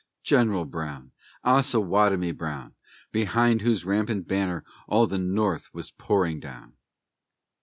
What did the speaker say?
General Brown! Osawatomie Brown! Behind whose rampant banner all the North was pouring down.